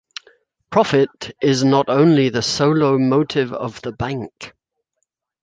Profit is not only the solo motive of the bank.